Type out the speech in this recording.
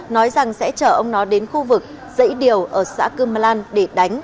nói rằng sẽ chở ông nó đến khu vực dãy điều ở xã cưm lan để đánh